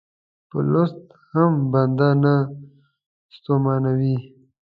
په لوست هم بنده نه ستومانوي.